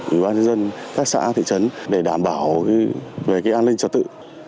ủy ban nhân dân các xã thị trấn để đảm bảo về an ninh trật tự